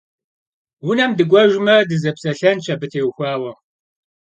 Унэм дыкӏуэжмэ, дызэпсэлъэнщ абы теухуауэ.